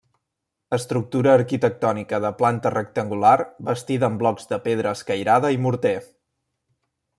Estructura arquitectònica de planta rectangular bastida amb blocs de pedra escairada i morter.